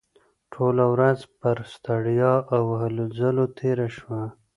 ټوله ورځ پر ستړیا او هلو ځلو تېره شوه